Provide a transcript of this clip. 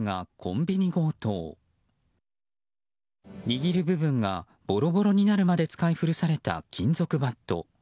握る部分がボロボロになるまで使い古された金属バット。